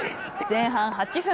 前半８分